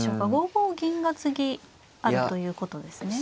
５五銀が次あるということですね。